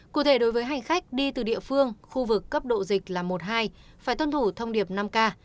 cụ thể đối với hành khách đi từ địa phương khu vực cấp độ dịch là một hai phải tuân thủ thông điệp năm k